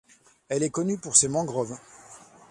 Elle est connue pour ses mangroves.